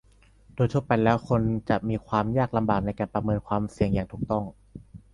โดยทั่วไปแล้ว คนจะมีความยากลำบากในการประเมินความเสี่ยงอย่างถูกต้อง